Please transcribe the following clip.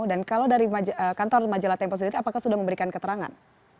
dan kalau dari kantor majalah tempo sendiri apakah sudah memberikan keterangan